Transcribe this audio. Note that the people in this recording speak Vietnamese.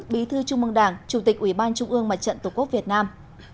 bí thư trung mương đảng chủ tịch ủy ban trung ương mặt trận tổ quốc việt nam